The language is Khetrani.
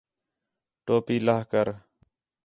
ٹوپی لہہ کر